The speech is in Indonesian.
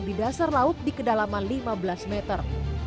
di dasar laut di kedalaman lima belas meter